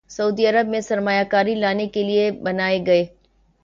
سعودی عرب میں سرمایہ کاری لانے کے لیے بنائے گئے